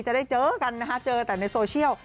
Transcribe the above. จะได้เจอกันนะคะเจอแต่ในโซเชียล